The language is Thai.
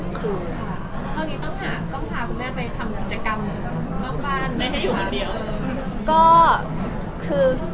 ต้องพาคุณแม่ไปทำกิจกรรมนอกบ้านไม่ให้อยู่คนเดียว